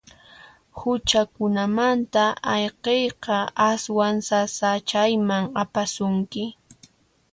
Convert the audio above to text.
Huchakunamanta ayqiyqa aswan sasachayman apasunki.